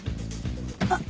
あっ！